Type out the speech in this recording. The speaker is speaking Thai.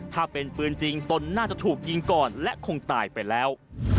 ถ้าเป็นปืนจริงตนน่าจะถูกยิงก่อนและคงตายไปแล้ว